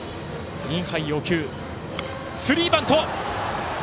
スリーバント！